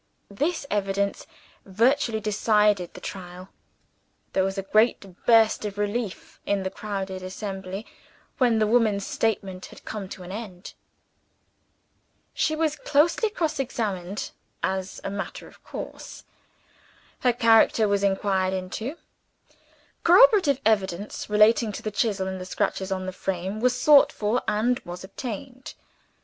This evidence virtually decided the trial. There was a great burst of relief in the crowded assembly when the woman's statement had come to an end. She was closely cross examined as a matter of course. Her character was inquired into; corroborative evidence (relating to the chisel and the scratches on the frame) was sought for and was obtained.